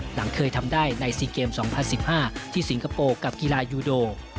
หลังเคยทำได้ใน๔เกม๒๐๑๕ที่สิงคโปร์กับกีฬายูโด